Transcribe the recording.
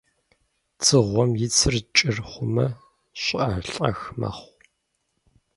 Дзыгъуэм и цыр кӀыр хъумэ, щӀыӀэлӀэх мэхъу.